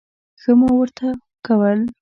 ښه مو ورته کول.